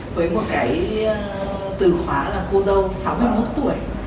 với một cái từ khóa là cô dâu sáu mươi một tuổi